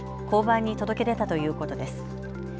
交番に届け出たということです。